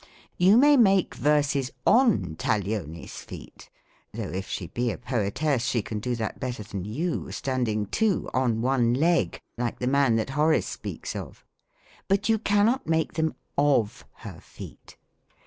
You may make verses on Taglioni's feet, (though if she be a poetess, she can do that better than you, standing, too, on one leg, like the man that Horace speaks of;) but you cannot make them of her feet.